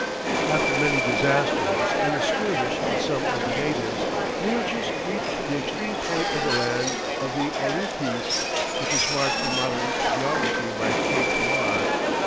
After many disasters and a skirmish with some of the natives, Nearchus reached the extreme point of the land of the Orites, which is marked in modern geography by Cape Morant.